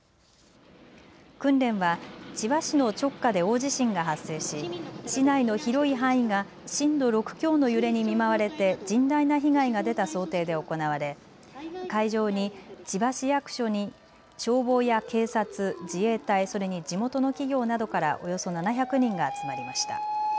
訓練は千葉市の直下で大地震が発生し、市内の広い範囲が震度６強の揺れに見舞われて甚大な被害が出た想定で行われ会場に千葉市役所に消防や警察、自衛隊、それに地元の企業などからおよそ７００人が集まりました。